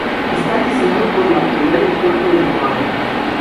Está gestionado por la autoridad del puerto de Bilbao.